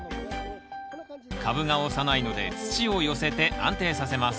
株が幼いので土を寄せて安定させます。